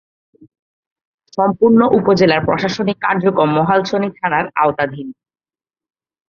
সম্পূর্ণ উপজেলার প্রশাসনিক কার্যক্রম মহালছড়ি থানার আওতাধীন।